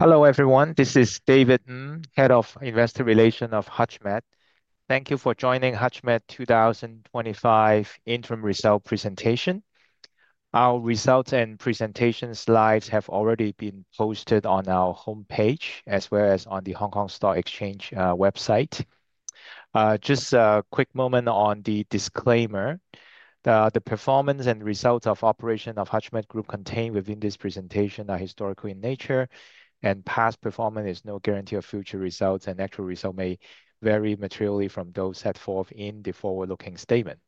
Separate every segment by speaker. Speaker 1: Hello everyone, this is David Ng, Head of Investor Relations of HUTCHMED. Thank you for joining HUTCHMED's 2025 interim result presentation. Our results and presentation slides have already been posted on our homepage, as well as on the Hong Kong Stock Exchange website. Just a quick moment on the disclaimer. The performance and results of operations of HUTCHMED Group contained within this presentation are historical in nature, and past performance is no guarantee of future results, and actual results may vary materially from those set forth in the forward-looking statement.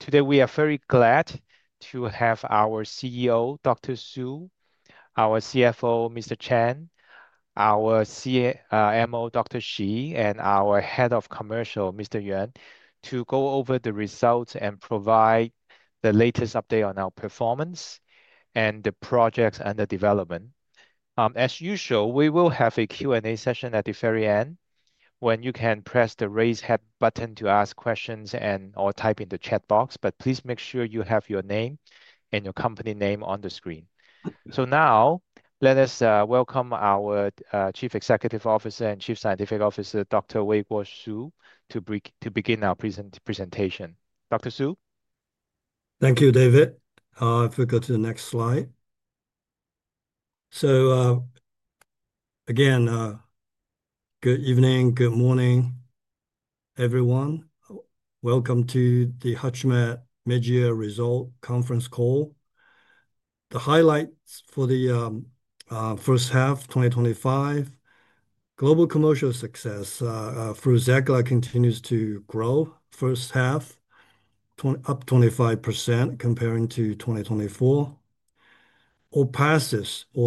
Speaker 1: Today we are very glad to have our CEO, Dr. Weiguo Su, our CFO, Johnny Cheng, our CMO, Dr. Michael Shi, and our Head of Commercial, George Yuan, to go over the results and provide the latest update on our performance and the projects under development. As usual, we will have a Q&A session at the very end, when you can press the raise hand button to ask questions and/or type in the chat box, but please make sure you have your name and your company name on the screen. Now, let us welcome our Chief Executive Officer and Chief Scientific Officer, Dr. Weiguo Su, to begin our presentation. Dr. Su?
Speaker 2: Thank you, David. I forgot the next slide. Again, good evening, good morning, everyone. Welcome to the HUTCHMED mid-year result conference call. The highlights for the first half of 2025: Global commercial success for Zecla continues to grow, first half, up 25% compared to 2024.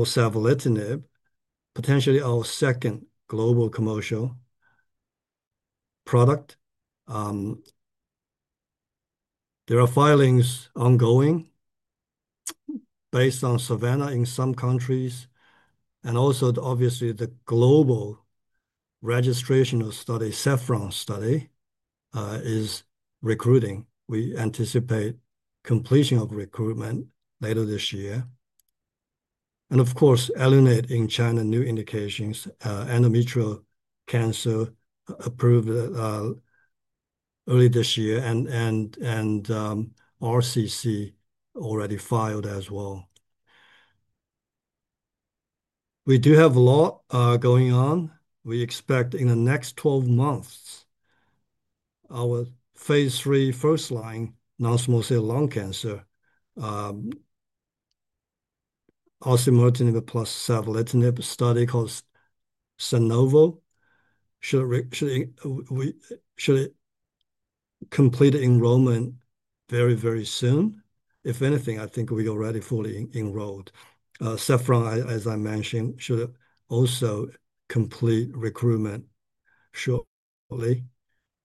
Speaker 2: Savolitinib, potentially our second global commercial product. There are filings ongoing based on SAVANNAH in some countries, and obviously, the global registration study, SAFFRON study, is recruiting. We anticipate completion of recruitment later this year. LNH in China, new indications, endometrial cancer approved early this year, and RCC already filed as well. We do have a lot going on. We expect in the next 12 months our phase III first-line, non-small cell lung cancer, osimertinib plus Savolitinib study called SANOVO, should complete enrollment very, very soon. If anything, I think we are already fully enrolled. SAFFRON, as I mentioned, should also complete recruitment shortly.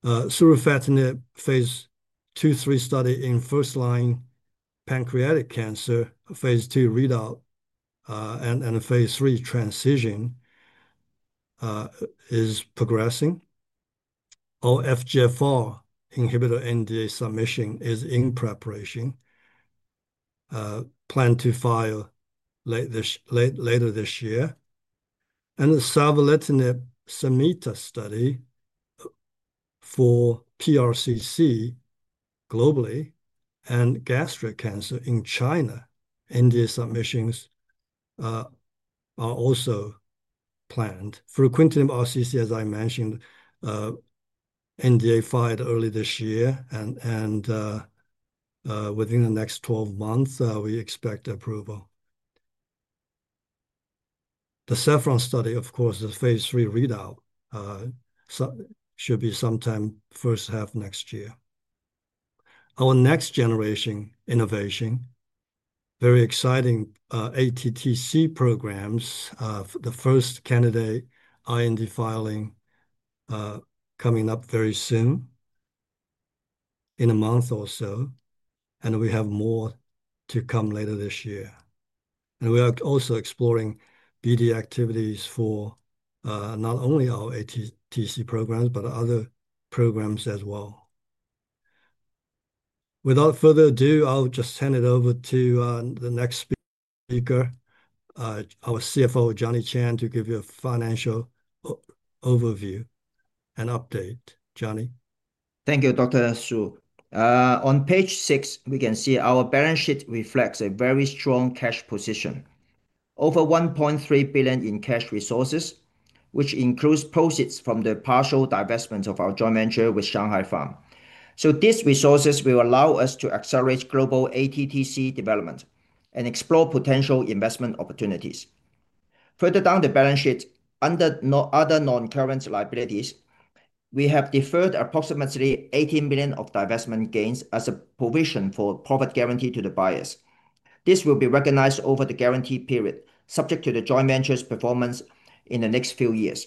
Speaker 2: Surufatinib, phase II-three study in first-line pancreatic cancer, phase II readout, and phase III transition is progressing. FGFR4 inhibitor NDA submission is in preparation. Plan to file later this year. The Savolitinib, SAMETA study for PRCC globally and gastric cancer in China, NDA submissions are also planned. Fruquintinib, RCC, as I mentioned, NDA filed early this year, and within the next 12 months, we expect approval. The SAFFRON study, the phase III readout should be sometime first half next year. Our next generation innovation, very exciting ATTC programs, the first candidate IND filing coming up very soon, in a month or so, and we have more to come later this year. We are also exploring BD activities for not only our ATTC programs but other programs as well. Without further ado, I'll just hand it over to the next speaker, our CFO, Johnny Cheng, to give you a financial overview and update. Johnny?
Speaker 3: Thank you, Dr. Su. On page six, we can see our balance sheet reflects a very strong cash position. Over $1.3 billion in cash resources, which includes proceeds from the partial divestment of our joint venture with Shanghai Pharmaceuticals Holding Co., Ltd. So these resources will allow us to accelerate global ATTC development and explore potential investment opportunities. Further down the balance sheet, under other non-current liabilities, we have deferred approximately $18 million of divestment gains as a provision for profit guarantee to the buyers. This will be recognized over the guarantee period subject to the joint venture's performance in the next few years.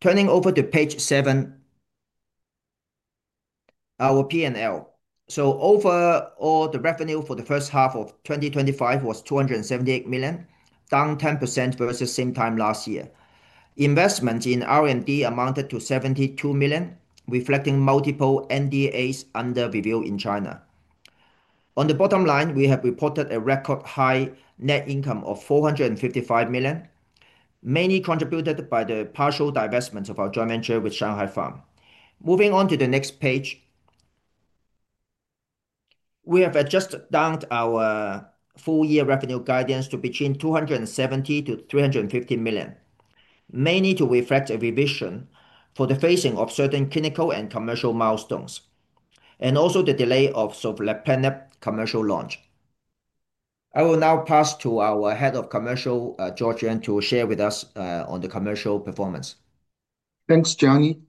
Speaker 3: Turning over to page seven, our P&L. Overall, the revenue for the first half of 2025 was $278 million, down 10% versus the same time last year. Investments in R&D amounted to $72 million, reflecting multiple NDA submissions under review in China. On the bottom line, we have reported a record high net income of $455 million, mainly contributed by the partial divestment of our joint venture with Shanghai Pharmaceuticals Holding Co., Ltd. Moving on to the next page, we have adjusted down our full-year revenue guidance to between $270 million-$350 million, mainly to reflect a revision for the phasing of certain clinical and commercial milestones, and also the delay of Savolitinib commercial launch. I will now pass to our Head of Commercial, George Yuan, to share with us on the commercial performance.
Speaker 4: Thanks, Johnny.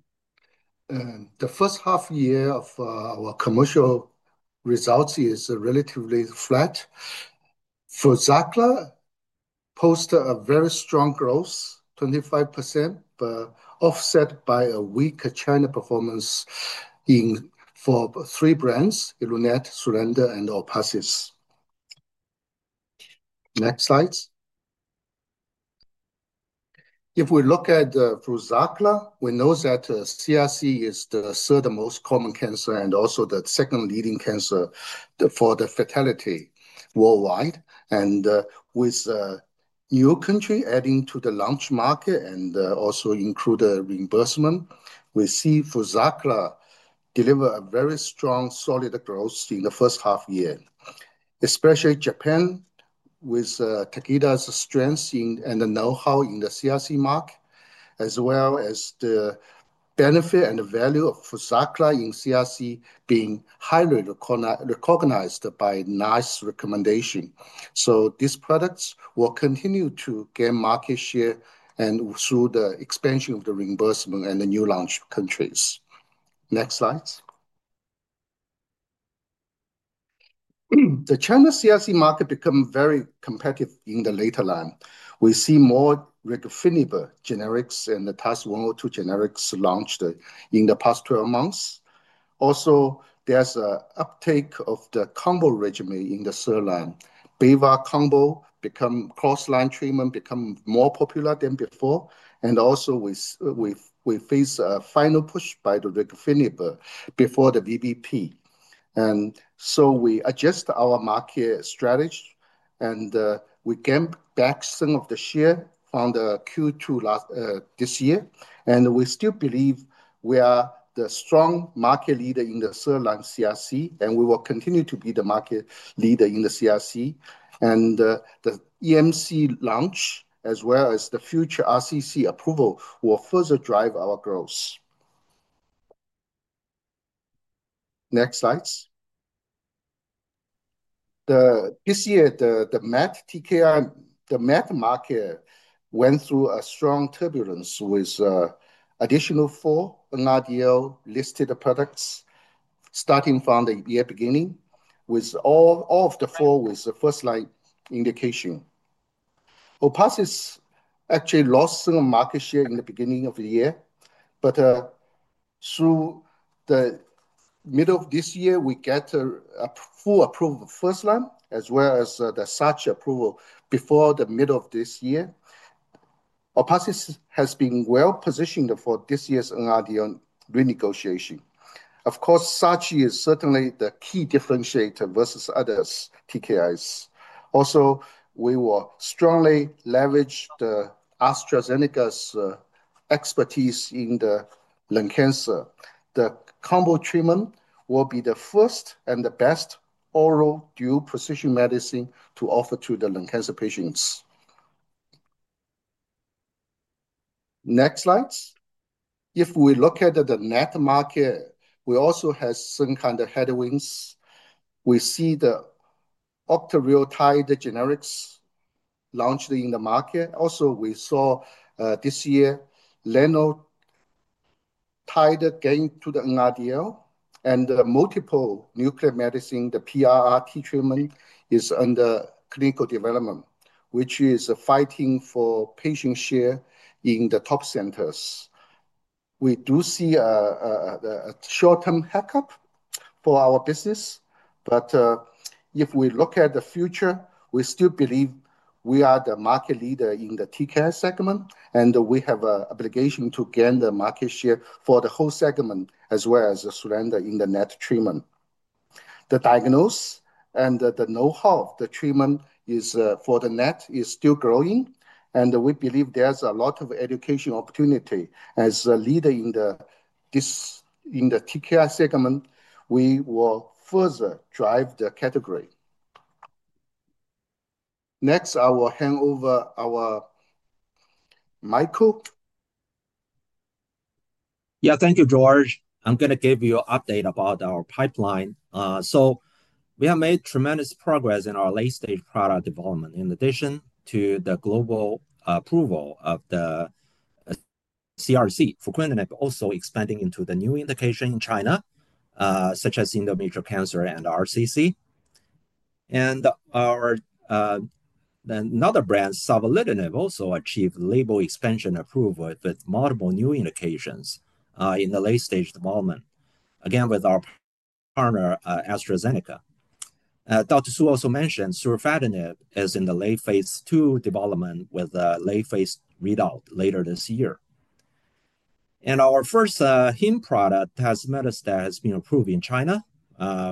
Speaker 4: The first half year of our commercial results is relatively flat. For Zecla, posted a very strong growth, 25%, but offset by a weak China performance for three brands: ELUNATE, SULANDA, and ORPATHYS. Next slide. If we look at, for Zecla, we know that CRC is the third most common cancer and also the second leading cancer for the fatality worldwide. With a new country adding to the launch market and also included reimbursement, we see for Zecla deliver a very strong, solid growth in the first half year. Especially Japan, with Takeda's strength and the know-how in the CRC market, as well as the benefit and the value of Zecla in CRC being highly recognized by NICE recommendation. These products will continue to gain market share through the expansion of the reimbursement and the new launch countries. Next slide. The China CRC market becomes very competitive in the later line. We see more regorafenib generics and the TAS102 generics launched in the past 12 months. Also, there's an uptake of the combo regimen in the third line. BEVA combo cross-line treatment becomes more popular than before, and we face a final push by the regorafenib before the VVP. We adjust our market strategy, and we gain back some of the share on the Q2 last this year, and we still believe we are the strong market leader in the third-line CRC, and we will continue to be the market leader in the CRC. The EMC launch, as well as the future RCC approval, will further drive our growth. Next slide. This year, the MAT market went through a strong turbulence with additional four NRDL-listed products starting from the year beginning, with all of the four with the first-line indication. ORPATHYS actually lost some market share in the beginning of the year, but through the middle of this year, we get a full approval of first-line, as well as the SACHI approval before the middle of this year. ORPATHYS has been well positioned for this year's NRDL renegotiation. Of course, SACHI is certainly the key differentiator versus other TKIs. We will strongly leverage AstraZeneca's expertise in the lung cancer. The combo treatment will be the first and the best oral dual precision medicine to offer to the lung cancer patients. Next slide. If we look at the NAT market, we also have some kind of headwinds. We see the octreotide generics launched in the market. Also, we saw this year SULANDA gained to the NRDL, and the multiple nuclear medicine, the PRRT treatment is under clinical development, which is fighting for patient share in the top centers. We do see a short-term hiccup for our business, but if we look at the future, we still believe we are the market leader in the TKI segment, and we have an obligation to gain the market share for the whole segment, as well as the SULANDA in the NET treatment. The diagnosis and the know-how of the treatment for the NET is still growing, and we believe there's a lot of educational opportunity as a leader in the TKI segment. We will further drive the category. Next, I will hand over to Michael.
Speaker 5: Thank you, George. I'm going to give you an update about our pipeline. We have made tremendous progress in our late-stage product development. In addition to the global approval of the CRC, Fruquintinib is also expanding into the new indication in China, such as endometrial cancer and RCC. Our other brand, Savolitinib, also achieved label expansion approval with multiple new indications in the late-stage development, again with our partner AstraZeneca. Dr. Su also mentioned Surufatinib is in the late phase II development with the late phase readout later this year. Our first heme product has metastasized and has been approved in China,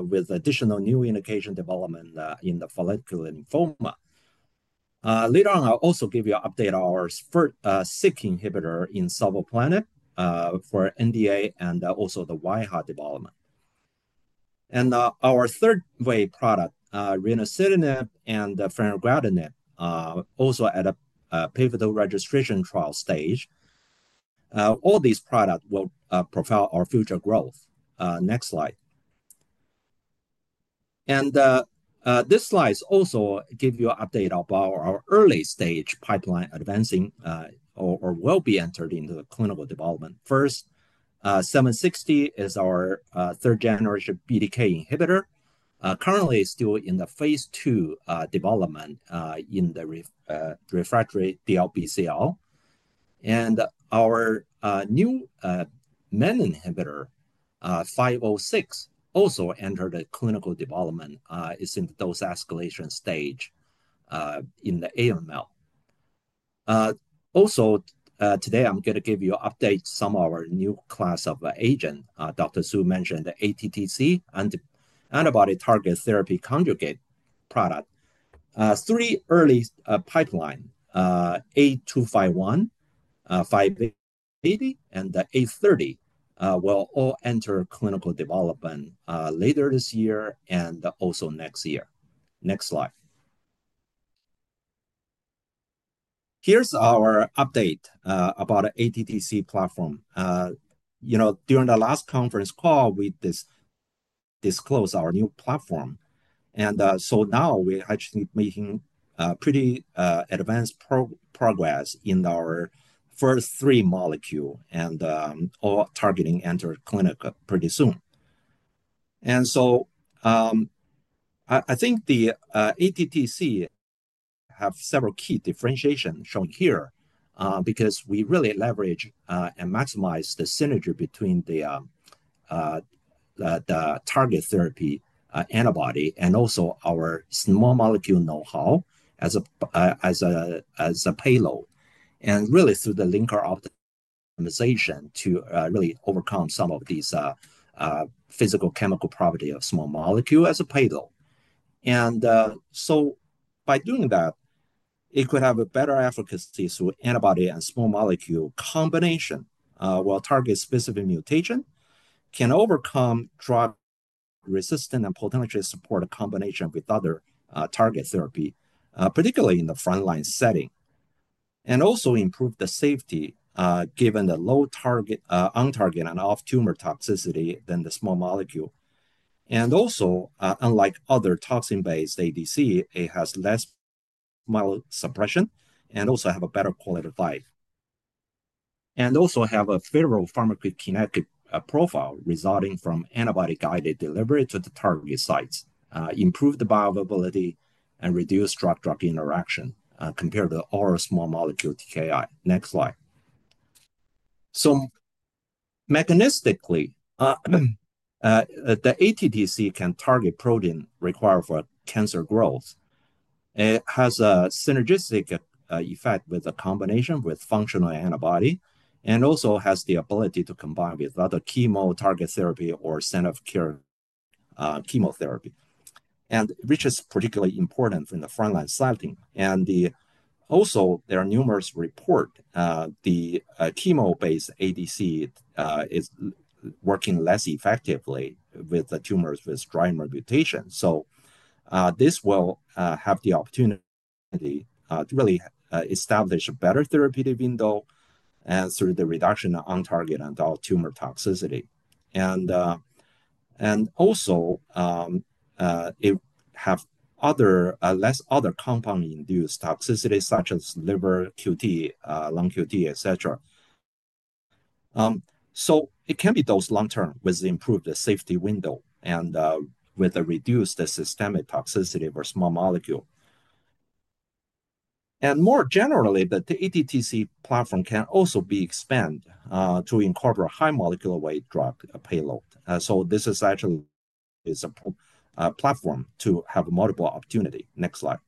Speaker 5: with additional new indication development in the follicular lymphoma. Later on, I'll also give you an update on our first SYK inhibitor in Savolitinib for NDA and also the WIHA development. Our third wave product, Tenocitinib and fenergatinib, are also at a pivotal registration trial stage. All these products will propel our future growth. Next slide. This slide also gives you an update about our early-stage pipeline advancing or will be entered into clinical development. First, 760 is our third-generation BTK inhibitor, currently still in the phase II development in the refractory DLBCL. Our new MET inhibitor, 506, also entered clinical development. It's in the dose escalation stage in the AML. Today I'm going to give you an update on some of our new class of agents. Dr. Su mentioned the ATTC, Antibody Targeted Therapy Conjugate product. Three early pipelines, A251, 580, and the A30, will all enter clinical development later this year and also next year. Next slide. Here's our update about the ATTC platform. During the last conference call, we disclosed our new platform. Now we're actually making pretty advanced progress in our first three molecules, and all targeting enters clinical pretty soon. I think the ATTC has several key differentiations shown here because we really leverage and maximize the synergy between the target therapy antibody and also our small molecule know-how as a payload. Through the linker optimization, we really overcome some of these physicochemical properties of small molecules as a payload. By doing that, it could have a better efficacy through antibody and small molecule combination while targeting specific mutations can overcome drug resistance and potentially support a combination with other target therapies, particularly in the front-line setting. It also improves the safety given the low target, on-target, and off-tumor toxicity than the small molecule. Unlike other toxin-based ADC, it has less myelosuppression and also has a better quality of life. It also has a favorable pharmacokinetic profile resulting from antibody-guided delivery to the target sites, improved the bioavailability, and reduced drug-drug interaction compared to oral small molecule TKI. Next slide. Mechanistically, the ATTC can target proteins required for cancer growth. It has a synergistic effect with a combination with functional antibodies and also has the ability to combine with other chemo target therapies or standard of care chemotherapy, which is particularly important in the front-line setting. There are numerous reports that the chemo-based ADC is working less effectively with the tumors with dry remediation. This will have the opportunity to really establish a better therapeutic window through the reduction of on-target and all-tumor toxicity. It has other less other compound-induced toxicities such as liver QT, lung QT, et cetera. It can be dosed long-term with the improved safety window and with a reduced systemic toxicity for small molecules. More generally, the ATTC platform can also be expanded to incorporate high molecular weight drug payload. This is actually a platform to have multiple opportunities. Next slide.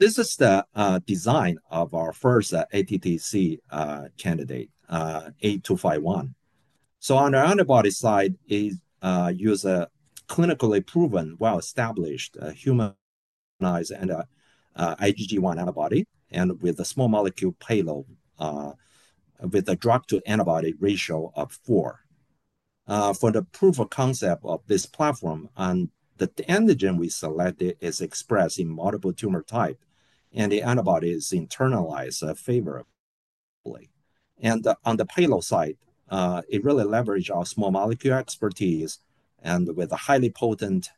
Speaker 5: This is the design of our first ATTC candidate, A251. On the antibody side, it uses clinically proven, well-established humanized IgG1 antibody, and with a small molecule payload with a drug-to-antibody ratio of four. For the proof of concept of this platform, the antigen we selected is expressed in multiple tumor types, and the antibody is internalized favorably. On the payload side, it really leverages our small molecule expertise and with a highly potent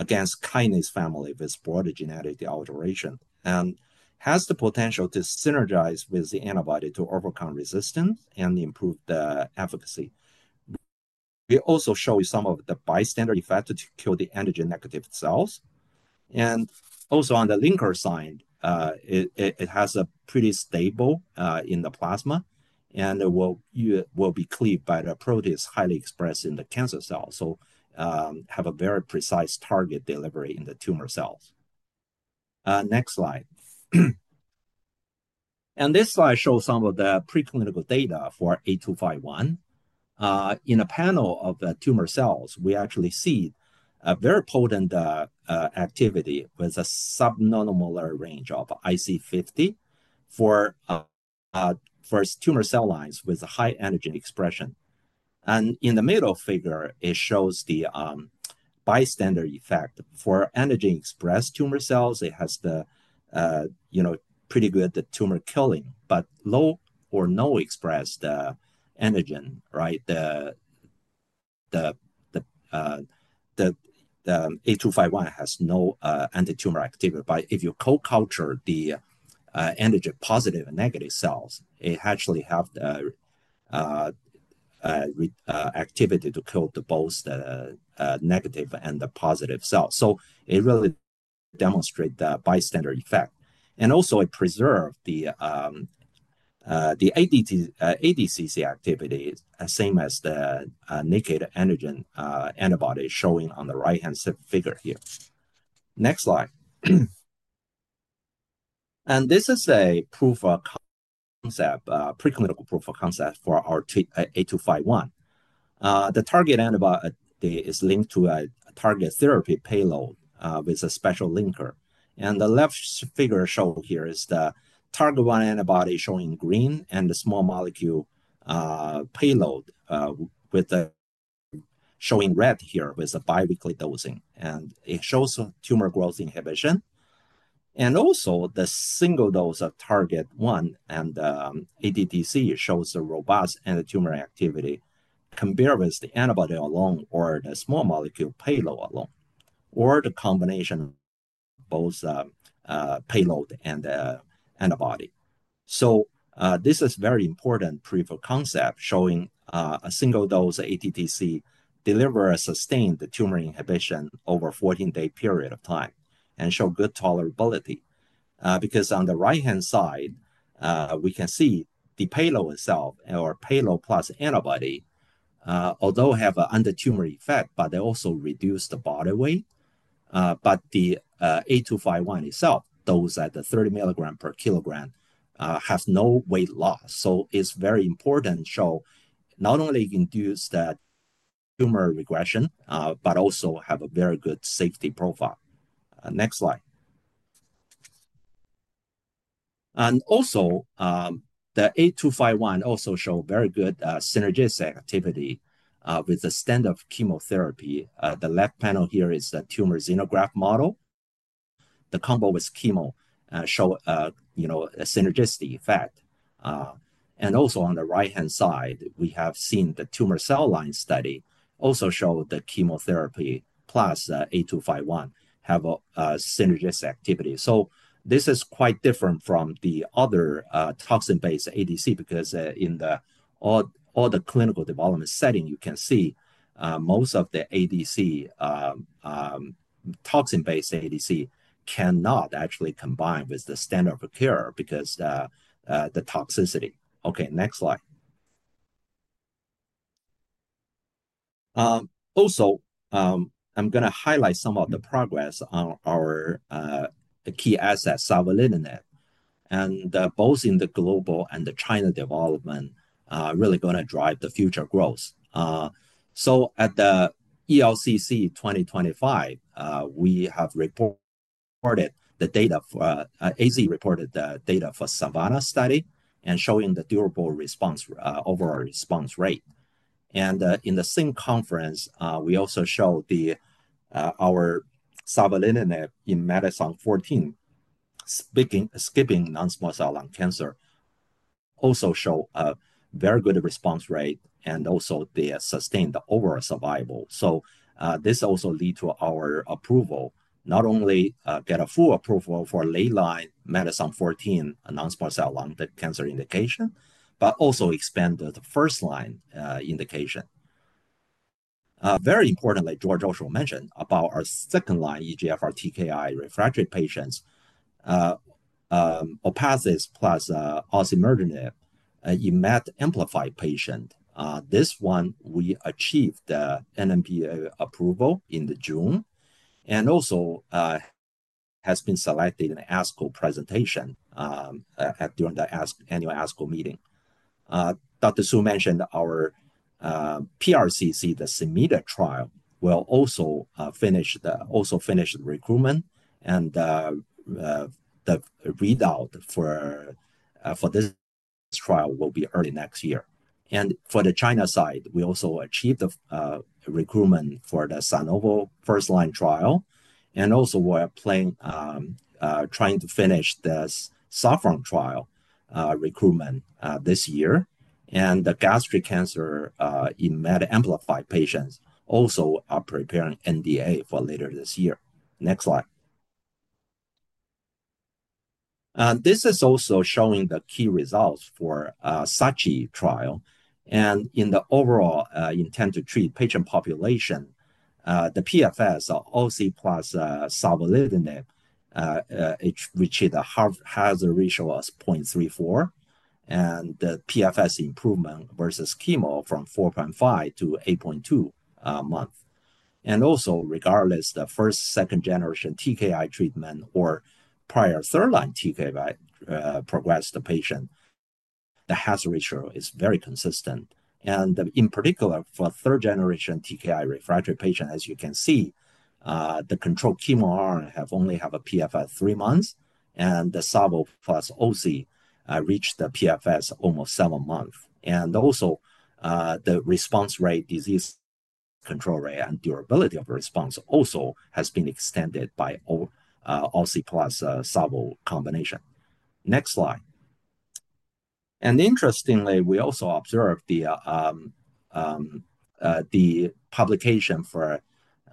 Speaker 5: against kinase family with border genetic alteration, and has the potential to synergize with the antibody to overcome resistance and improve the efficacy. We also show you some of the bystander effects to kill the antigen-negative cells. On the linker side, it is pretty stable in the plasma, and it will be cleaved by the proteins highly expressed in the cancer cells, so it has a very precise target delivery in the tumor cells. Next slide. This slide shows some of the preclinical data for A251. In a panel of the tumor cells, we actually see a very potent activity with a sub-nanomolar range of IC50 for tumor cell lines with high antigen expression. In the middle figure, it shows the bystander effect. For antigen-expressed tumor cells, it has pretty good tumor killing, but for low or no expressed antigen, the A251 has no anti-tumor activity. If you co-culture the antigen-positive and negative cells, it actually has the activity to kill both the negative and the positive cells. It really demonstrates the bystander effect. It also preserves the ADCC activity, same as the nickel antigen antibody shown on the right-hand figure here. Next slide. This is a proof of concept, a preclinical proof of concept for our A251. The target antibody is linked to a target therapy payload with a special linker. The left figure shown here is the target one antibody shown in green and the small molecule payload shown in red here with a biweekly dosing, and it shows tumor growth inhibition. The single dose of target one and ATTC shows robust anti-tumor activity compared with the antibody alone or the small molecule payload alone or the combination of both payload and the antibody. This is a very important proof of concept showing a single dose ATTC delivers sustained tumor inhibition over a 14-day period of time and shows good tolerability. On the right-hand side, we can see the payload itself or payload plus antibody, although it has an anti-tumor effect, also reduces the body weight. The A251 itself, dosed at 30 milligrams per kilogram, has no weight loss. It is very important to show not only induced tumor regression but also a very good safety profile. Next slide. The A251 also shows very good synergistic activity with the standard of chemotherapy. The left panel here is the tumor xenograft model. The combo with chemo shows a synergistic effect. On the right-hand side, we have seen the tumor cell line study also shows the chemotherapy plus A251 have a synergistic activity. This is quite different from the other toxin-based ADC because in all the clinical development setting, you can see most of the ADC, toxin-based ADC, cannot actually combine with the standard of care because of the toxicity. Okay, next slide. I'm going to highlight some of the progress on our key asset, Savolitinib. Both in the global and the China development are really going to drive the future growth. At the ELCC 2025, we have reported the data, AZ reported the data for the SAVANNAH study and showing the durable response overall response rate. In the same conference, we also showed our Savolitinib in MET exon 14 skipping non-small cell lung cancer, also showed a very good response rate and also the sustained overall survival. This also leads to our approval, not only getting a full approval for late-line MET exon 14 non-small cell lung cancer indication, but also expanded the first-line indication. Very importantly, George also mentioned our second-line EGFR TKI refractory patients, Savolitinib plus osimertinib in MET amplified patients. This one, we achieved the NMPA approval in June and also has been selected in the ASCO presentation during the annual ASCO meeting. Dr. Su mentioned our PRCC, the SAMETA trial, will also finish the recruitment, and the readout for this trial will be early next year. For the China side, we also achieved the recruitment for the SANOVO first-line trial, and we're planning on trying to finish the SAFFRON trial recruitment this year. The gastric cancer in MET amplified patients also is preparing NDA for later this year. Next slide. This is also showing the key results for SACHI trial. In the overall intent to treat patient population, the PFS of OC plus Savolitinib, which has a ratio of 0.34, and the PFS improvement versus chemo from 4.5 to 8.2 months. Also, regardless of the first, second generation TKI treatment or prior third-line TKI progress, the patient has a ratio that is very consistent. In particular, for third-generation TKI refractory patients, as you can see, the controlled chemo arm only had a PFS of three months, and the Savolitinib plus OC reached the PFS of almost seven months. Also, the response rate, disease control rate, and durability of response have been extended by OC plus Savolitinib combination. Next slide. Interestingly, we also observed the publication for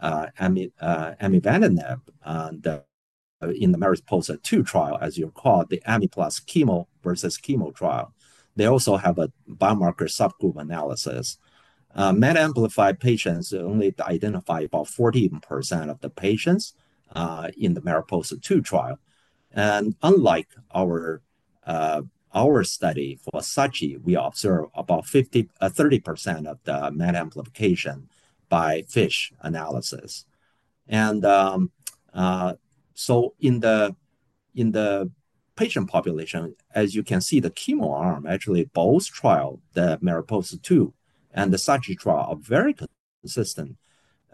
Speaker 5: amivantamab in the MARIPOSA-2 trial, as you recall, the amivantamab plus chemo versus chemo trial. They also have a biomarker subgroup analysis. MET amplified patients only identified about 14% of the patients in the MARIPOSA-2 trial. Unlike our study for SACHI, we observed about 30% of the MET amplification by FISH analysis. In the patient population, as you can see, the chemo RNA actually both trials, the MARIPOSA-2 and the SACHI trial, are very consistent.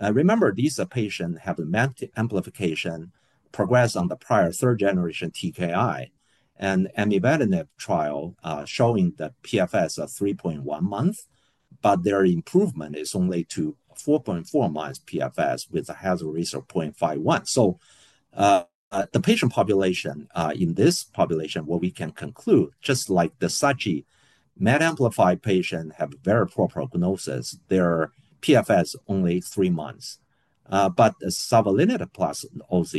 Speaker 5: Remember, these patients have MET amplification progressed on the prior third-generation TKI, and amivantamab trial showing the PFS of 3.1 months, but their improvement is only to 4.4 months PFS with a hazard risk of 0.51. The patient population, in this population, what we can conclude, just like the SACHI, MET amplified patients have a very poor prognosis. Their PFS is only three months. The Savolitinib plus OC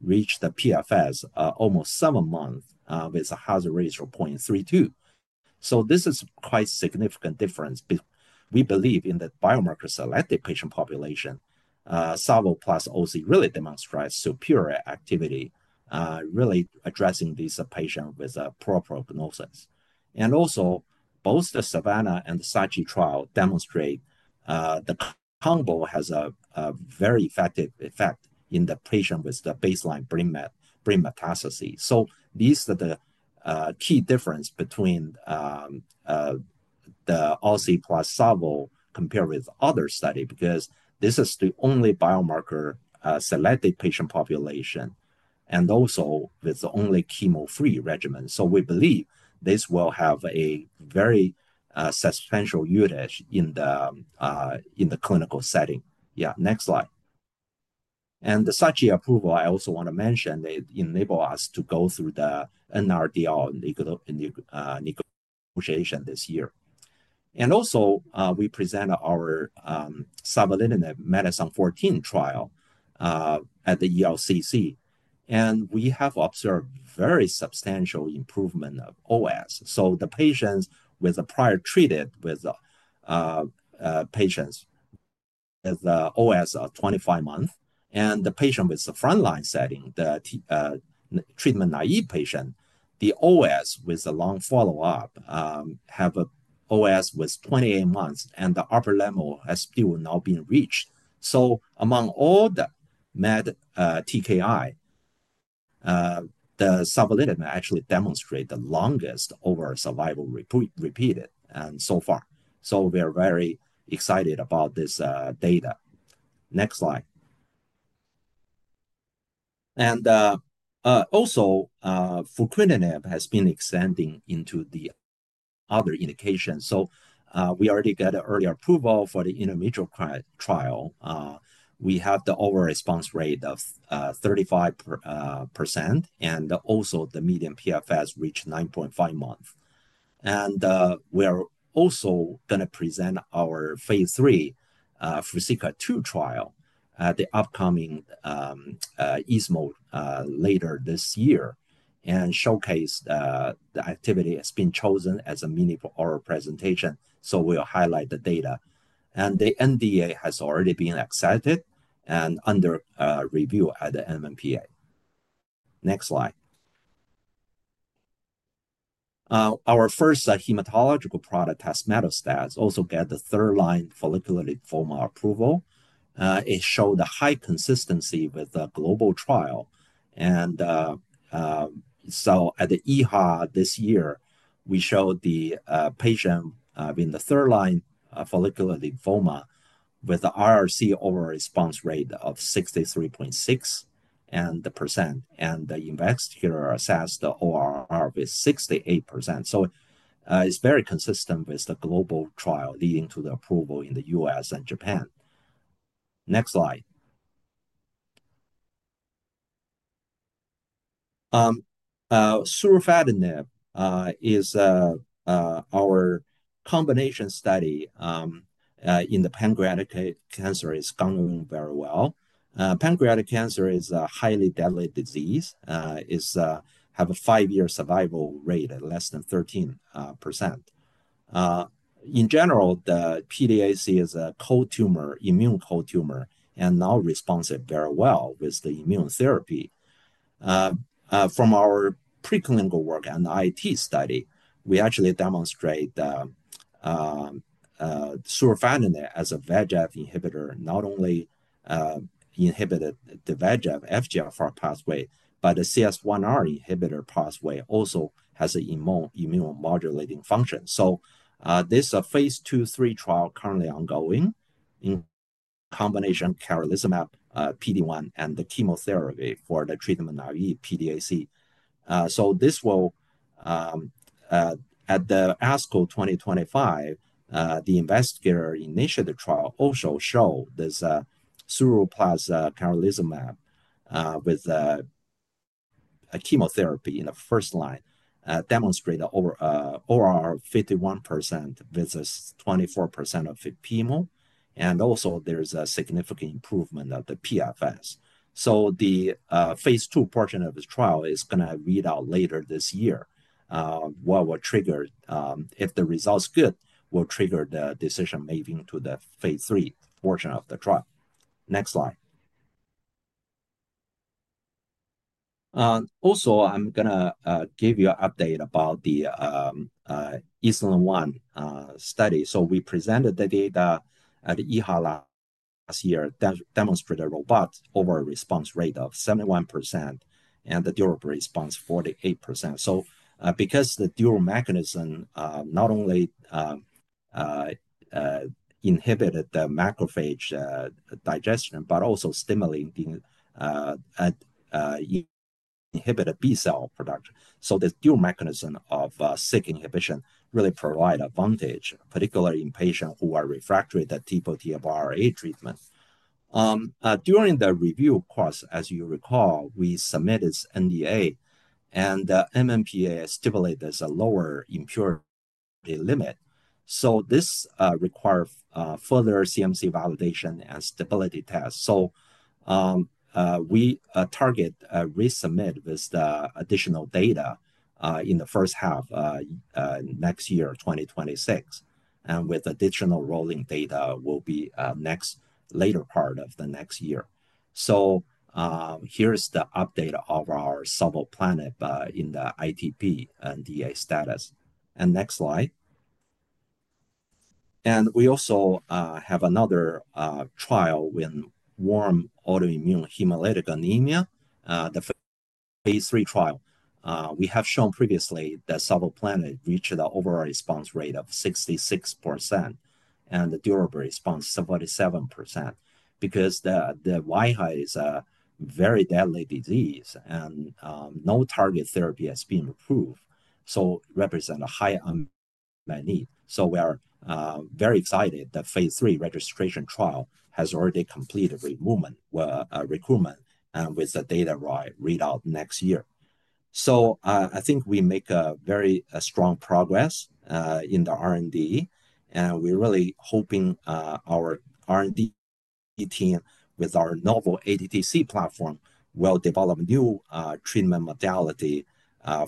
Speaker 5: reached the PFS almost seven months with a hazard risk of 0.32. This is quite a significant difference. We believe in the biomarker selected patient population, SAVO plus OC really demonstrates superior activity, really addressing these patients with a poor prognosis. Also, both the SAVANNAH and the SACHI trial demonstrate the combo has a very effective effect in the patient with the baseline brain metastases. These are the key differences between the OC plus SAVO compared with other studies because this is the only biomarker selected patient population and also with the only chemo-free regimen. We believe this will have a very substantial usage in the clinical setting. Next slide. The SACHI approval, I also want to mention, that enables us to go through the NRDL negotiation this year. We presented our Savolitinib medicine 14 trial at the ELCC. We have observed very substantial improvement of OS. The patients with the prior treated patients with the OS of 25 months, and the patient with the front-line setting, the treatment naive patients, the OS with the long follow-up have an OS with 28 months, and the upper limit has still not been reached. Among all the MET TKI, the Savolitinib actually demonstrates the longest overall survival repeated so far. We're very excited about this data. Next slide. Also, Fruquintinib has been extending into the other indications. We already got early approval for the endometrial trial. We have the overall response rate of 35%, and also the median PFS reached 9.5 months. We are also going to present our phase III FRUZAQLA II trial at the upcoming ESMO later this year and showcase the activity that's been chosen as a meaningful oral presentation. We will highlight the data. The NDA has already been accepted and is under review at the NMPA. Next slide. Our first hematological product with metastasis also got the third-line follicular lymphoma approval. It showed a high consistency with the global trial. At the EHA this year, we showed the patient in the third-line follicular lymphoma with the IRC overall response rate of 63.6%. The index here assessed the ORR with 68%. It is very consistent with the global trial leading to the approval in the U.S. and Japan. Next slide. Surufatinib is our combination study in pancreatic cancer. It is going very well. Pancreatic cancer is a highly deadly disease. It has a five-year survival rate of less than 13%. In general, the PDAC is a cold tumor, immune cold tumor, and not responsive very well with immune therapy. From our preclinical work and the IT study, we actually demonstrated that Surufatinib as a VEGF inhibitor not only inhibited the VEGF FGFR pathway, but the CSF1R inhibitor pathway also has an immune modulating function. This is a phase II, three trial currently ongoing in combination of camrelizumab PD-1 and chemotherapy for the treatment-naive PDAC. At the ASCO 2025, the investigator-initiated trial also showed this Surufatinib plus camrelizumab with chemotherapy in the first line, demonstrated overall 51% versus 24% of the chemo. There is also a significant improvement of the PFS. The phase II portion of the trial is going to read out later this year. If the results are good, it will trigger the decision-making to the phase III portion of the trial. Next slide. I am going to give you an update about the ESMO-1 study. We presented the data at the EHA last year, demonstrated robust overall response rate of 71% and the durable response 48%. Because the dual mechanism not only inhibited the macrophage digestion but also stimulated and inhibited B-cell production. This dual mechanism of SYK inhibition really provides advantage, particularly in patients who are refractory to TPO-RA treatments. During the review course, as you recall, we submitted NDA, and the NMPA stipulated there is a lower impurity limit. This requires further CMC validation and stability tests. We target resubmitting with the additional data in the first half of next year, 2026, and with additional rolling data, it will be the later part of next year. Here's the update of our Savolitinib in the ITP NDA status. Next slide. We also have another trial with warm autoimmune hemolytic anemia, the phase III trial. We have shown previously that Savolitinib reached the overall response rate of 66% and the durable response 77% because WIHA is a very deadly disease, and no targeted therapy has been approved. It represents a high MMI need. We are very excited that the phase III registration trial has already completed recruitment with the data readout next year. I think we make very strong progress in the R&D, and we're really hoping our R&D team with our novel Antibody Targeted Therapy Conjugate (ATTC) platform will develop new treatment modalities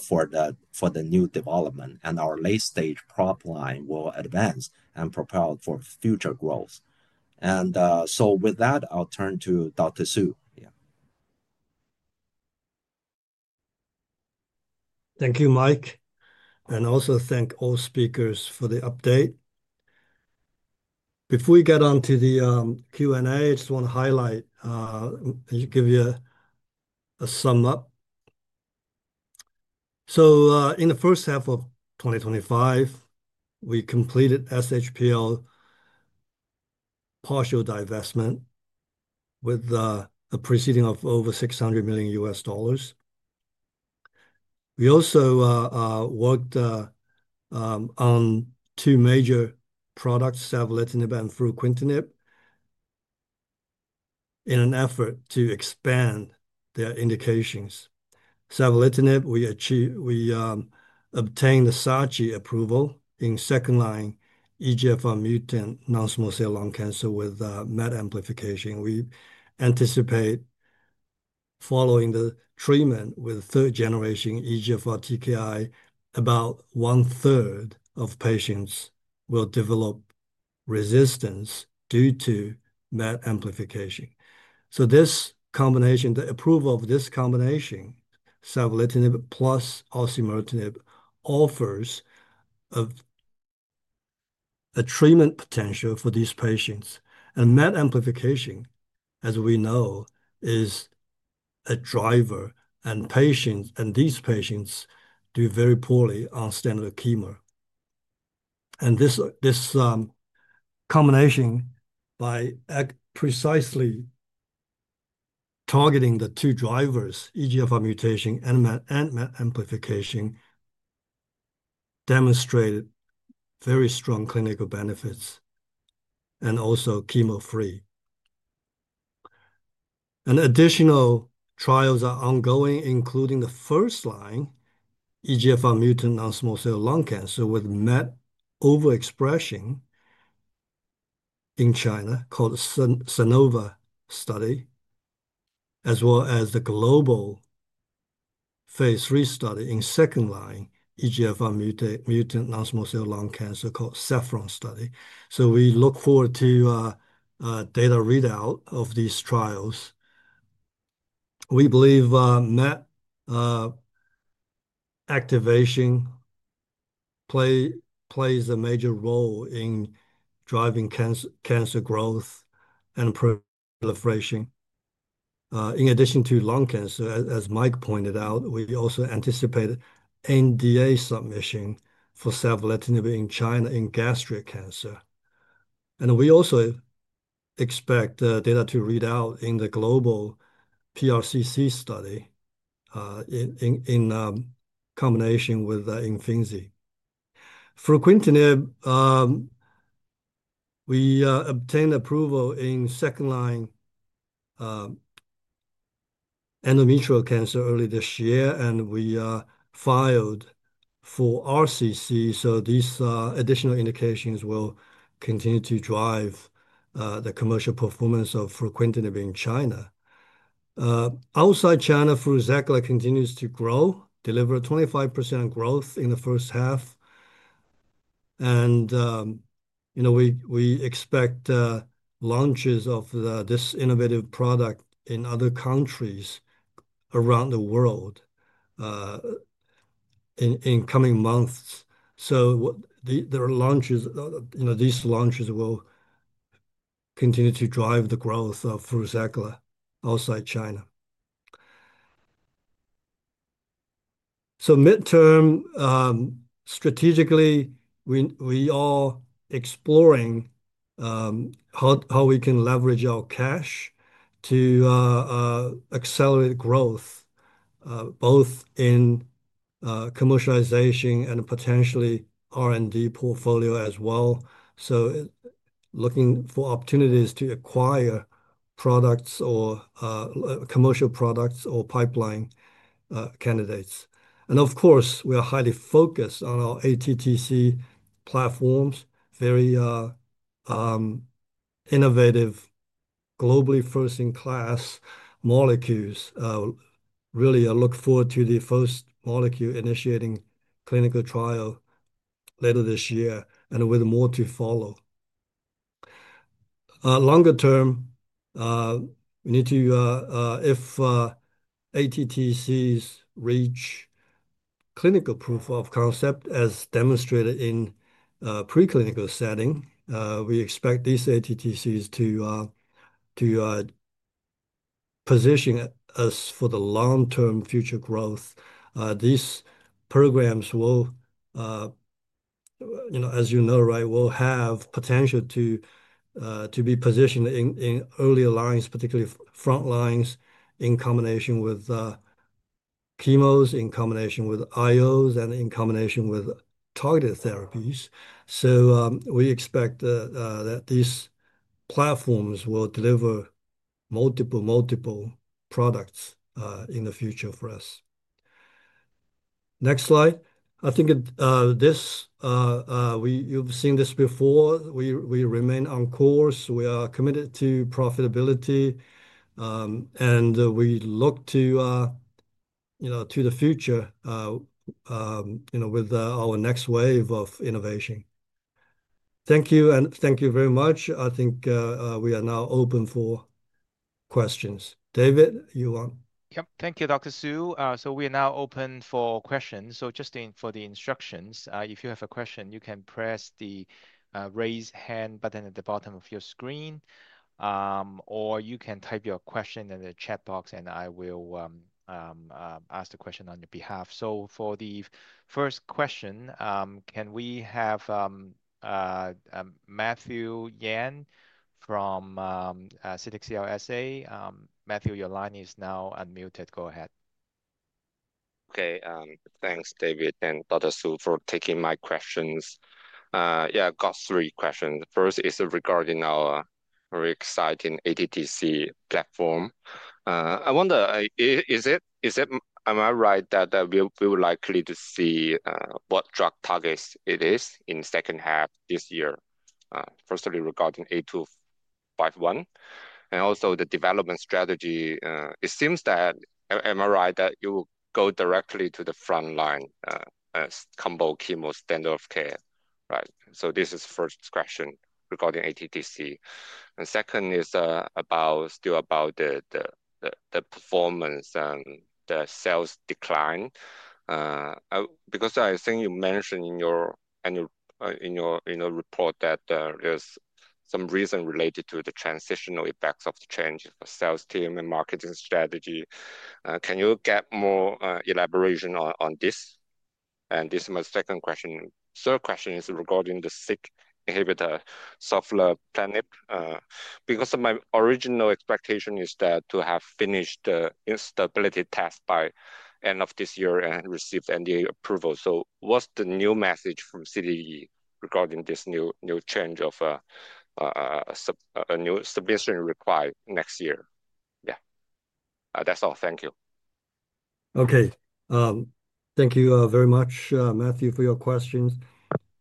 Speaker 5: for the new development, and our late-stage product line will advance and propel for future growth. With that, I'll turn to Dr. Su.
Speaker 2: Thank you, Mike. And also thank all speakers for the update. Before we get onto the Q&A, I just want to highlight and give you a sum up. In the first half of 2025, we completed SHPL partial divestment with a proceeding of over $600 million. We also worked on two major products, Savolitinib and Fruquintinib, in an effort to expand their indications. Savolitinib, we obtained the SACHI approval in second-line EGFR-mutant non-small cell lung cancer with MET amplification. We anticipate following the treatment with third-generation EGFR TKI, about one-third of patients will develop resistance due to MET amplification. This combination, the approval of this combination, Savolitinib plus osimertinib, offers a treatment potential for these patients. MET amplification, as we know, is a driver, and these patients do very poorly on standard chemo. This combination, by precisely targeting the two drivers, EGFR mutation and MET amplification, demonstrated very strong clinical benefits and also chemo-free. Additional trials are ongoing, including the first-line EGFR-mutant non-small cell lung cancer with MET overexpression in China called SANOVO study, as well as the global phase III study in second-line EGFR-mutant non-small cell lung cancer called SAFFRON study. We look forward to data readout of these trials. We believe MET activation plays a major role in driving cancer growth and proliferation. In addition to lung cancer, as Mike pointed out, we also anticipate NDA submission for Savolitinib in China in gastric cancer. We also expect data to read out in the global PRCC study in combination with IMFINZI. Fruquintinib, we obtained approval in second-line endometrial cancer earlier this year, and we filed for RCC. These additional indications will continue to drive the commercial performance of Fruquintinib in China. Outside China, FRUZAQLA continues to grow, delivered 25% growth in the first half. We expect launches of this innovative product in other countries around the world in the coming months. These launches will continue to drive the growth of FRUZAQLA outside China. Midterm, strategically, we are exploring how we can leverage our cash to accelerate growth, both in commercialization and potentially R&D portfolio as well. Looking for opportunities to acquire products or commercial products or pipeline candidates. Of course, we are highly focused on our ATTC platforms, very innovative, globally first-in-class molecules. Really, I look forward to the first molecule initiating clinical trial later this year, with more to follow. Longer term, if ATTCs reach clinical proof of concept, as demonstrated in the preclinical setting, we expect these ATTCs to position us for the long-term future growth. These programs will have the potential to be positioned in earlier lines, particularly front lines, in combination with chemos, in combination with IOs, and in combination with targeted therapies. We expect that these platforms will deliver multiple, multiple products in the future for us. Next slide. I think you've seen this before. We remain on course. We are committed to profitability, and we look to the future with our next wave of innovation. Thank you, and thank you very much. I think we are now open for questions. David, you want.
Speaker 1: Thank you, Dr. Su. We are now open for questions. For the instructions, if you have a question, you can press the raise hand button at the bottom of your screen, or you can type your question in the chat box, and I will ask the question on your behalf. For the first question, can we have Matthew Yan from CLSA? Matthew, your line is now unmuted. Go ahead.
Speaker 6: Okay. Thanks, David and Dr. Su, for taking my questions. I've got three questions. First is regarding our very exciting ATTC platform. I wonder, am I right that we will likely see what drug targets it is in the second half this year? Firstly, regarding A251, and also the development strategy. It seems that, am I right, that you will go directly to the front line as combo chemo standard of care, right? This is the first question regarding ATTC. Second is still about the performance and the sales decline. I think you mentioned in your report that there's some reason related to the transitional effects of the change of the sales team and marketing strategy. Can you get more elaboration on this? This is my second question. The third question is regarding the SYK inhibitor, Savolitinib. My original expectation is to have finished the stability test by the end of this year and received NDA approval. What's the new message from CDE regarding this new change of a new submission required next year? That's all. Thank you.
Speaker 2: Okay. Thank you very much, Matthew, for your questions.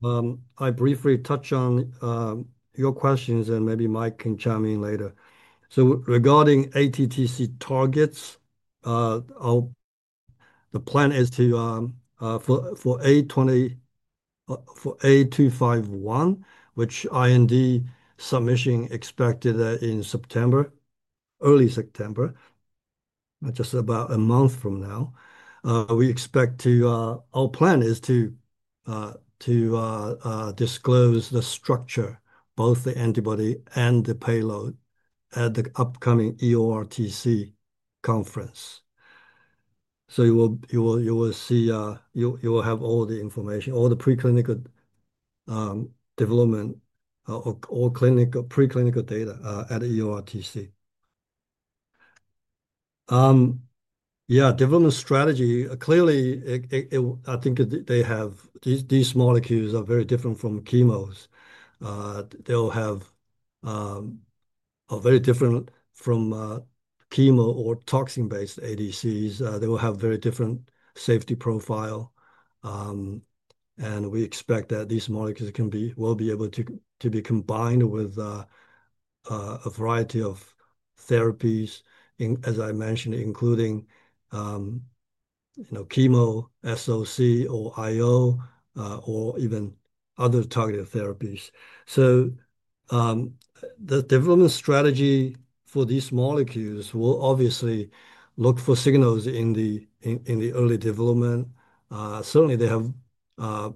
Speaker 2: I briefly touched on your questions, and maybe Mike can chime in later. Regarding ATTC targets, the plan is to, for A251, which IND submission is expected in September, early September, just about a month from now. We expect to, our plan is to disclose the structure, both the antibody and the payload, at the upcoming EORTC conference. You will see, you will have all the information, all the preclinical development, all preclinical data at EORTC. Development strategy, clearly, I think they have, these molecules are very different from chemos. They'll have a very different chemo or toxin-based ADCs. They will have very different safety profiles. We expect that these molecules will be able to be combined with a variety of therapies, as I mentioned, including chemo, SOC, or IO, or even other targeted therapies. The development strategy for these molecules will obviously look for signals in the early development. Certainly, they have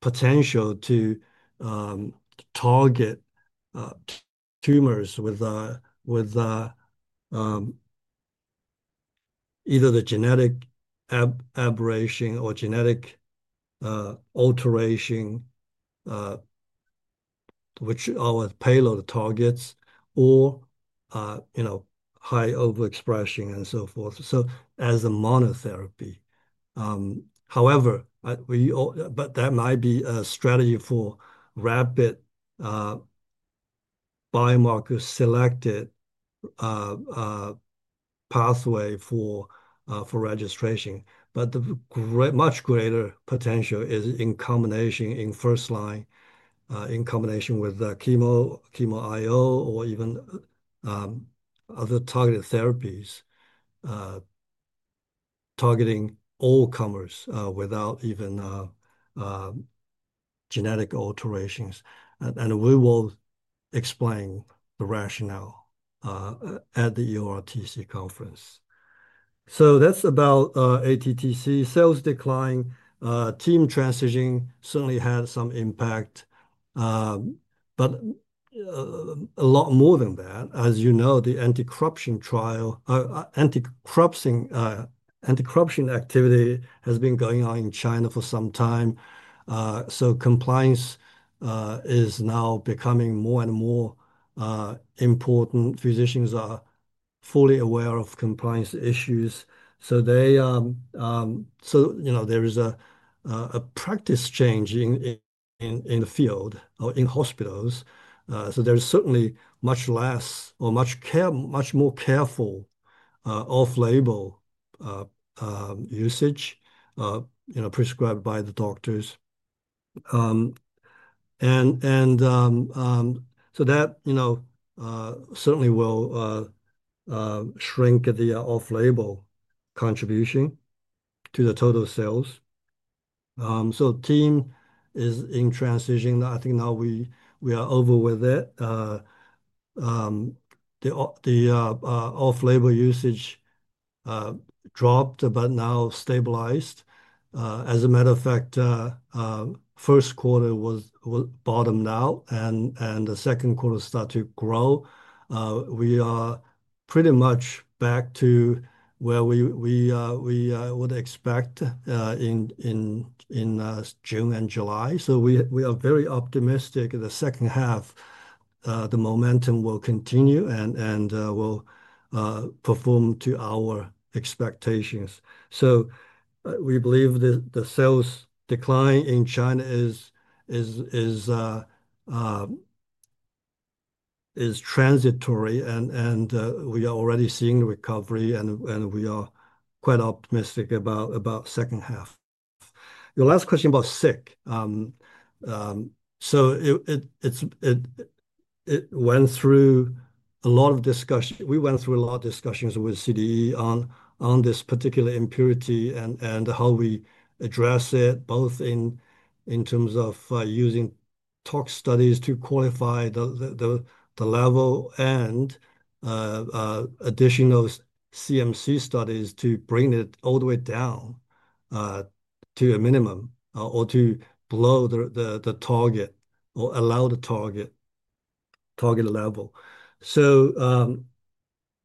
Speaker 2: potential to target tumors with either the genetic aberration or genetic alteration, which are our payload targets, or high overexpression and so forth. As a monotherapy. However, that might be a strategy for rapid biomarker-selected pathway for registration. The much greater potential is in combination in first line, in combination with chemo, chemo-IO, or even other targeted therapies, targeting all comers without even genetic alterations. We will explain the rationale at the EORTC conference. That's about ATTC sales decline. Team transition certainly has some impact, but a lot more than that. As you know, the anti-corruption activity has been going on in China for some time. Compliance is now becoming more and more important. Physicians are fully aware of compliance issues. There is a practice change in the field or in hospitals. There is certainly much less or much more careful off-label usage prescribed by the doctors. That certainly will shrink the off-label contribution to the total sales. The team is in transition. I think now we are over with it. The off-label usage dropped, but now stabilized. As a matter of fact, the first quarter was bottomed out, and the second quarter started to grow. We are pretty much back to where we would expect in June and July. We are very optimistic in the second half, the momentum will continue and will perform to our expectations. We believe that the sales decline in China is transitory, and we are already seeing recovery. We are quite optimistic about the second half. Your last question about SYK. It went through a lot of discussion. We went through a lot of discussions with CDE on this particular impurity and how we address it, both in terms of using tox studies to qualify the level and additional CMC studies to bring it all the way down to a minimum or to below the target or allow the target level.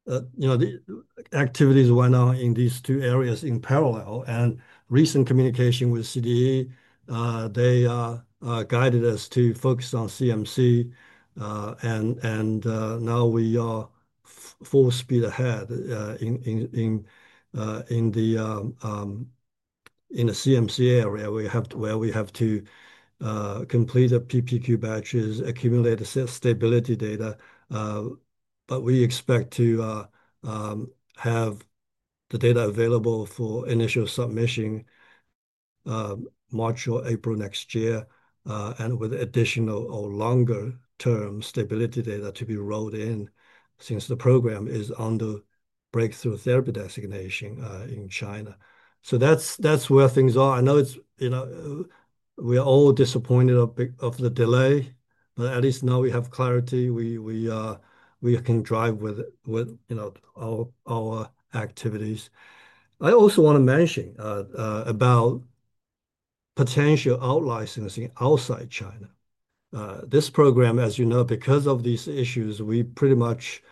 Speaker 2: The activities went on in these two areas in parallel. Recent communication with CDE guided us to focus on CMC. Now we are full speed ahead in the CMC area where we have to complete the PPQ batches and accumulate the stability data. We expect to have the data available for initial submission March or April next year, with additional or longer-term stability data to be rolled in since the program is under breakthrough therapy designation in China. That is where things are. I know we are all disappointed by the delay, but at least now we have clarity. We can drive with our activities. I also want to mention potential out-licensing outside China. This program, as you know, because of these issues, we pretty much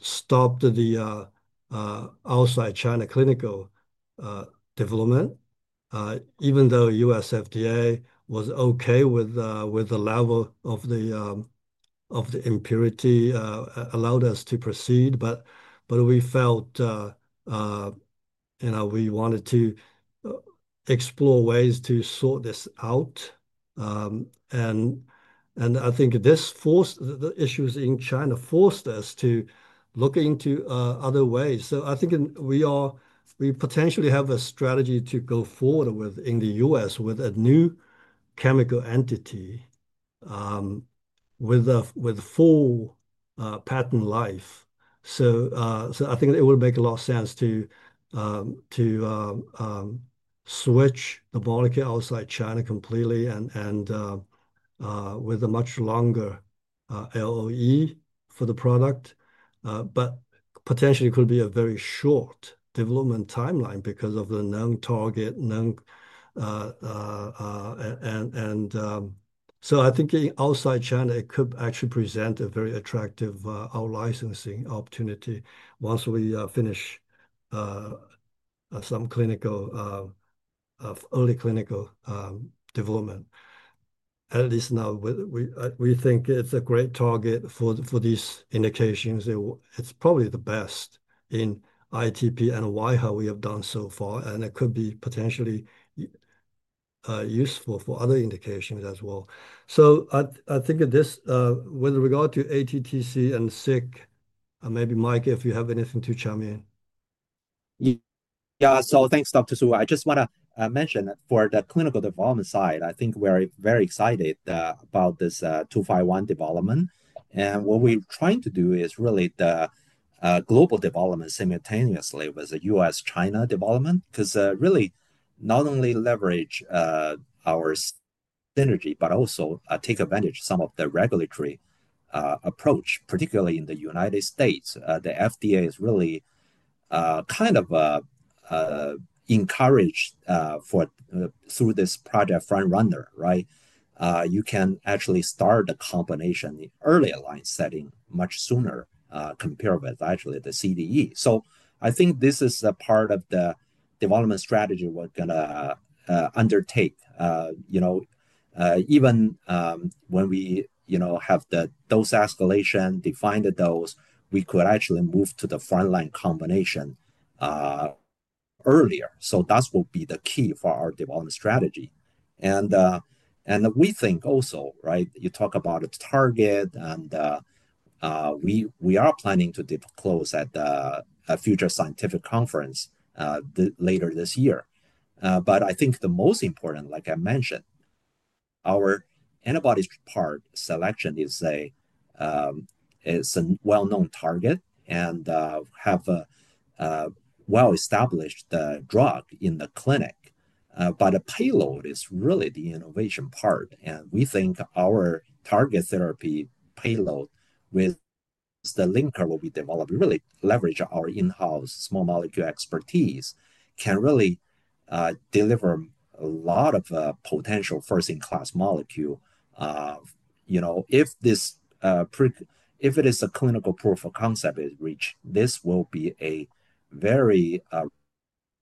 Speaker 2: stopped the outside China clinical development. Even though the U.S. FDA was okay with the level of the impurity and allowed us to proceed, we felt we wanted to explore ways to sort this out. I think the issues in China forced us to look into other ways. We potentially have a strategy to go forward in the U.S. with a new chemical entity with full patent life. It would make a lot of sense to switch the molecule outside China completely and with a much longer LOE for the product. Potentially, it could be a very short development timeline because of the known target. Outside China, it could actually present a very attractive out-licensing opportunity once we finish some early clinical development. At least now, we think it is a great target for these indications. It is probably the best in ITP and WIHA we have done so far, and it could be potentially useful for other indications as well. With regard to ATTC and SYK, maybe Mike, if you have anything to chime in.
Speaker 5: Yeah. Thanks, Dr. Su. I just want to mention that for the clinical development side, I think we're very excited about this A251 development. What we're trying to do is really the global development simultaneously with the U.S.-China development to really not only leverage our synergy but also take advantage of some of the regulatory approach, particularly in the United States. The FDA is really kind of encouraged through this Project Frontrunner, right? You can actually start a combination in the earlier line setting much sooner compared with actually the CDE. I think this is a part of the development strategy we're going to undertake. Even when we have the dose escalation, define the dose, we could actually move to the frontline combination earlier. That will be the key for our development strategy. We think also, right, you talk about the target, and we are planning to close at the future scientific conference later this year. I think the most important, like I mentioned, our antibody part selection is a well-known target and has a well-established drug in the clinic. The payload is really the innovation part. We think our target therapy payload with the linker will be developed, really leverage our in-house small molecule expertise, can really deliver a lot of potential first-in-class molecule. If it is a clinical proof of concept reached, this will be a very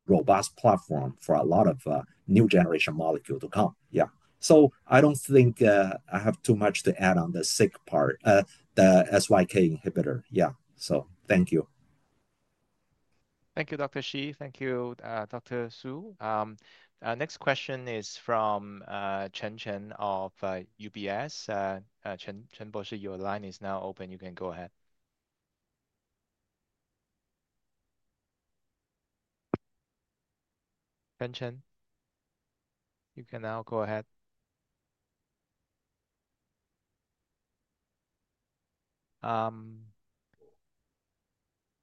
Speaker 5: robust platform for a lot of new generation molecules to come. I don't think I have too much to add on the SYK inhibitor part. Thank you.
Speaker 1: Thank you, Dr. Shi. Thank you, Dr. Su. Next question is from Chen Chen of UBS. Chen. Chen, your line is now open. You can go ahead. Chen Chen, you can now go ahead.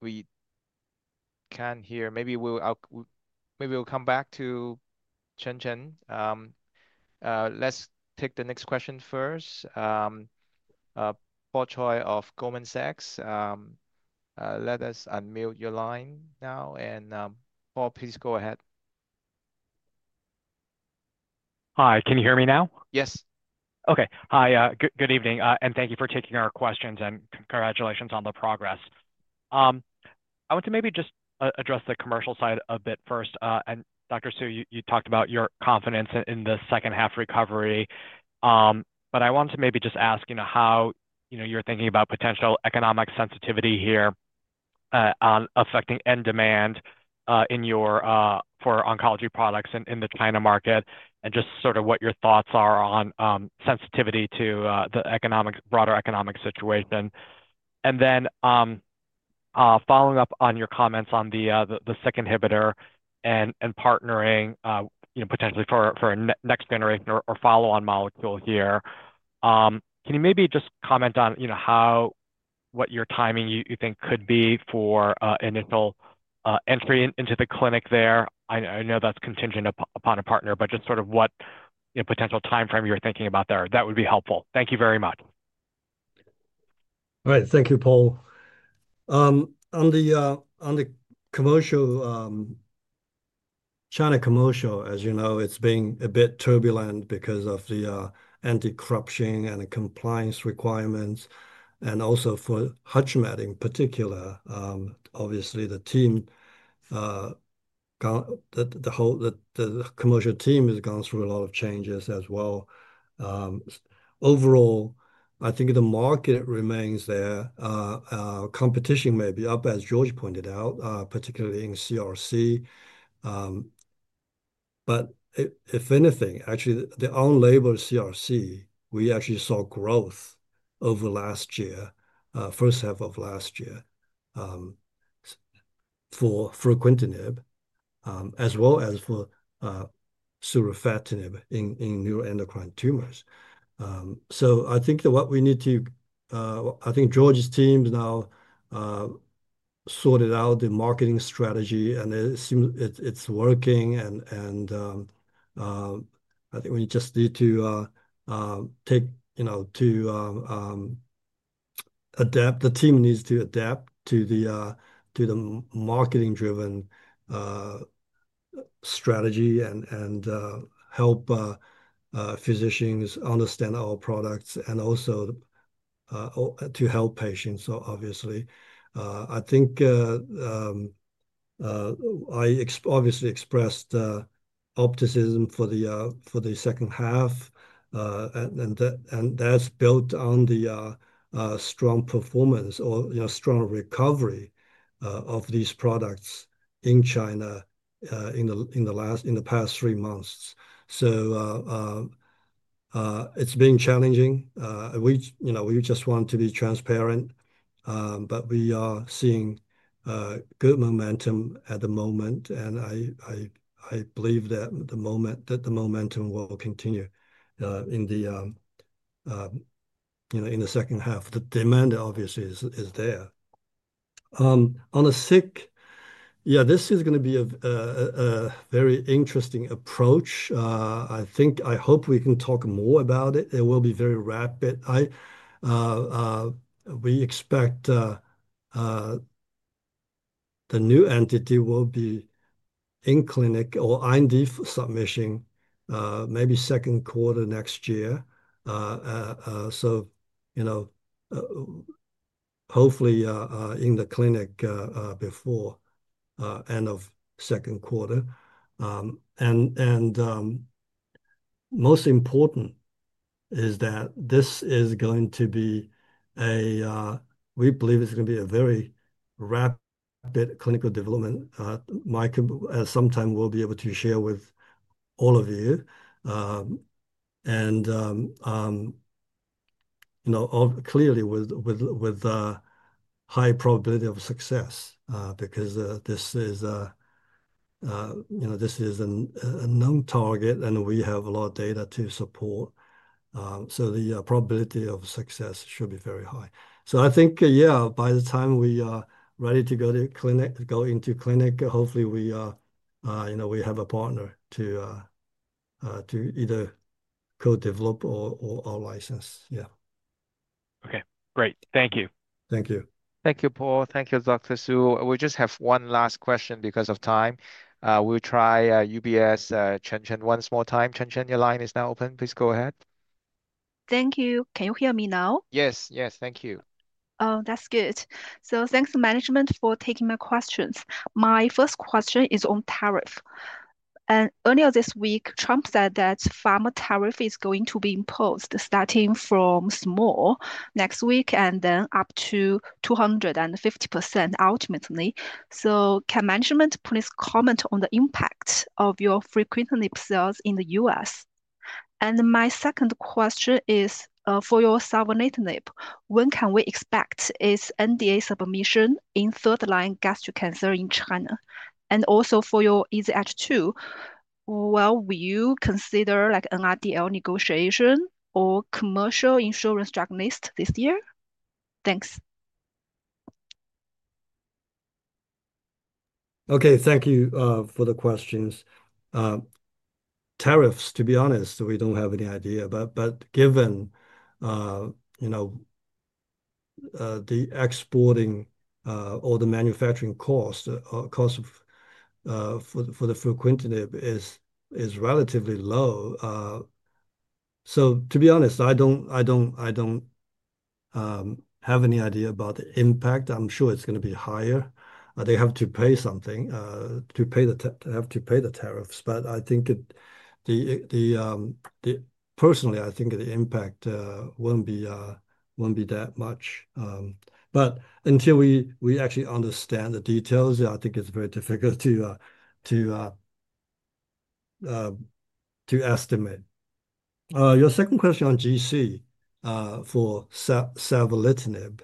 Speaker 1: We can't hear. Maybe we'll come back to Chen Chen. Let's take the next question first. Paul Choi of Goldman Sachs. Let us unmute your line now. Paul, please go ahead.
Speaker 7: Hi, can you hear me now?
Speaker 1: Yes.
Speaker 7: Okay. Hi. Good evening. Thank you for taking our questions, and congratulations on the progress. I want to maybe just address the commercial side a bit first. Dr. Su, you talked about your confidence in the second half recovery. I want to maybe just ask how you're thinking about potential economic sensitivity here affecting end demand for oncology products in the China market and just what your thoughts are on sensitivity to the broader economic situation. Following up on your comments on the SYK inhibitor and partnering potentially for a next generation or follow-on molecule here, can you maybe just comment on what your timing you think could be for initial entry into the clinic there? I know that's contingent upon a partner, but just what potential timeframe you're thinking about there. That would be helpful. Thank you very much.
Speaker 2: All right. Thank you, Paul. On the China commercial, as you know, it's been a bit turbulent because of the anti-corruption and compliance requirements, and also for HUTCHMED in particular. Obviously, the team, the whole commercial team has gone through a lot of changes as well. Overall, I think the market remains there. Competition may be up, as George pointed out, particularly in CRC. If anything, actually, the on-label CRC, we actually saw growth over the first half of last year for Fruquintinib, as well as for SULANDA in neuroendocrine tumors. I think that what we need to, I think George's team has now sorted out the marketing strategy, and it seems it's working. I think we just need to adapt. The team needs to adapt to the marketing-driven strategy and help physicians understand our products and also to help patients, obviously. I obviously expressed optimism for the second half. That's built on the strong performance or strong recovery of these products in China in the past three months. It's been challenging. We just want to be transparent. We are seeing good momentum at the moment. I believe that the momentum will continue in the second half. The demand obviously is there. On the SYK, yeah, this is going to be a very interesting approach. I hope we can talk more about it. It will be very rapid. We expect the new entity will be in clinic or IND submission maybe second quarter next year. Hopefully in the clinic before end of second quarter. Most important is that this is going to be a, we believe it's going to be a very rapid clinical development. Mike sometime will be able to share with all of you. Clearly, with high probability of success because this is a known target, and we have a lot of data to support. The probability of success should be very high. I think, yeah, by the time we are ready to go to clinic, go into clinic, hopefully we have a partner to either co-develop or out-license. Yeah.
Speaker 7: Okay. Great. Thank you.
Speaker 2: Thank you.
Speaker 1: Thank you, Paul. Thank you, Dr. Su. We just have one last question because of time. We'll try UBS Chen Chen one more time. Chen Chen, your line is now open. Please go ahead.
Speaker 8: Thank you. Can you hear me now?
Speaker 1: Yes, yes. Thank you.
Speaker 8: That's good. Thanks to management for taking my questions. My first question is on tariff. Earlier this week, Trump said that pharma tariff is going to be imposed starting from small next week and then up to 250% ultimately. Can management please comment on the impact of your Fruquintinib sales in the U.S.? My second question is for your Savolitinib. When can we expect its NDA submission in third-line gastric cancer in China? Also, for your EZH2, will you consider NRDL negotiation or commercial insurance drug list this year? Thanks.
Speaker 2: Okay. Thank you for the questions. Tariffs, to be honest, we don't have any idea. Given the exporting or the manufacturing cost for Fruquintinib is relatively low, to be honest, I don't have any idea about the impact. I'm sure it's going to be higher. They have to pay something to pay the tariffs. I think, personally, I think the impact won't be that much. Until we actually understand the details, I think it's very difficult to estimate. Your second question on GC for Savolitinib,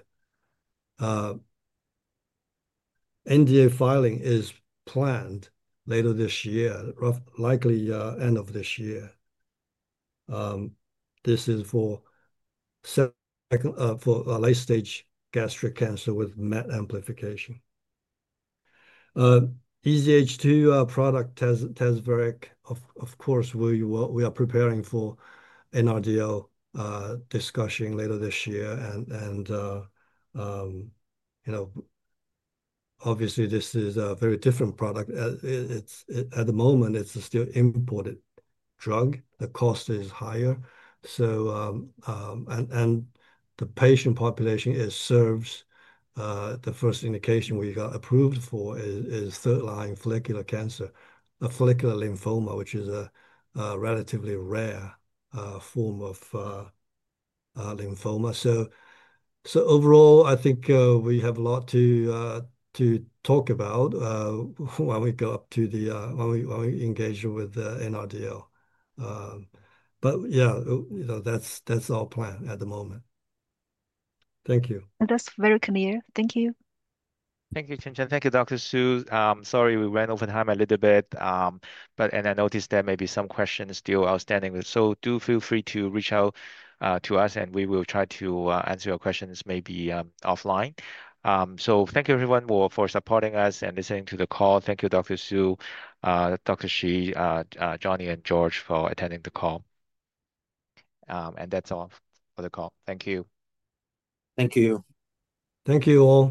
Speaker 2: NDA filing is planned later this year, likely end of this year. This is for late-stage gastric cancer with MET amplification. EZH2 product, TAZVERIK, of course, we are preparing for NRDL discussion later this year. Obviously, this is a very different product. At the moment, it's a still imported drug. The cost is higher. The patient population it serves, the first indication we got approved for is third-line follicular lymphoma, which is a relatively rare form of lymphoma. Overall, I think we have a lot to talk about when we go up to the, when we engage with NRDL. That's our plan at the moment. Thank you.
Speaker 8: That's very clear. Thank you.
Speaker 1: Thank you, Chen Chen. Thank you, Dr. Weiguo Su. Sorry, we ran over time a little bit. I noticed there may be some questions still outstanding. Please feel free to reach out to us, and we will try to answer your questions maybe offline. Thank you, everyone, for supporting us and listening to the call. Thank you, Dr. Weiguo Su, Dr. Michael Shi, Johnny Cheng, and George Yuan for attending the call. That's all for the call. Thank you.
Speaker 2: Thank you.
Speaker 5: Thank you all.